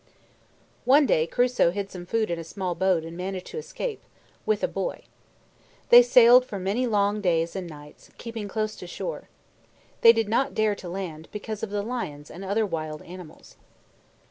One day Crusoe hid some food in a small boat and managed to escape, with a boy. They sailed for many long days and nights, keeping close to shore. They did not dare to land, because of the lions and other wild animals.